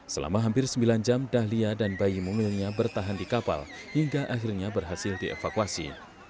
selama hampir sembilan jam dahlia dan bayi mungilnya bertahan di kapal hingga akhirnya berhasil dievakuasi